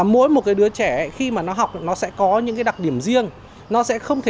mỗi một đứa trẻ khi học sẽ có những đặc điểm riêng